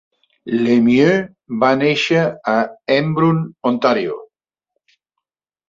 Lemieux va néixer a Embrun, Ontario.